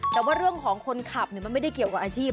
แต่ว่าเรื่องของคนขับมันไม่ได้เกี่ยวกับอาชีพ